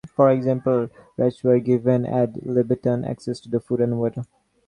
For example, "Rats were given "ad libitum" access to food and water.